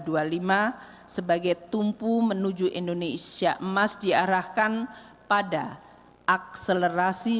kebijakan fiskal tahun dua ribu dua puluh lima sebagai tumpu menuju indonesia emas diarahkan pada akselerasi